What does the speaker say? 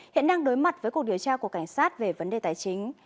hiện đang đối mặt với cuộc điều tra của cảnh sát về vấn đề tài chính